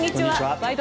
「ワイド！